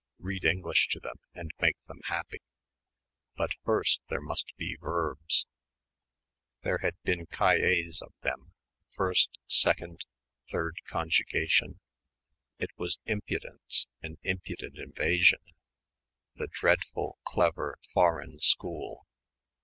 Read English to them and make them happy.... But first there must be verbs ... there had been cahiers of them ... first, second, third conjugation.... It was impudence, an impudent invasion ... the dreadful clever, foreign school....